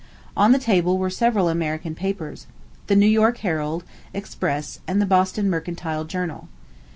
On the table were several American papers the New York Herald, Express, and the Boston Mercantile Journal.